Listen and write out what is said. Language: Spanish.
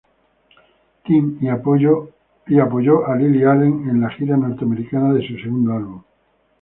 Team y apoyó a Lily Allen en la gira norteamericana de su segundo álbum.